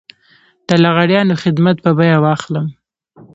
د لغړیانو خدمات په بيه واخلم.